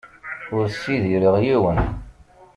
Ur ssidireɣ yiwen.